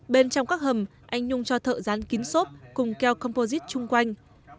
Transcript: bên trong các hầm anh nhung cho thợ dán kín sốt cùng keo composite chung quanh